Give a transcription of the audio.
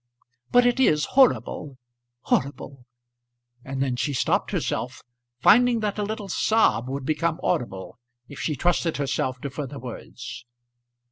But it is horrible horrible " and then she stopped herself, finding that a little sob would become audible if she trusted herself to further words.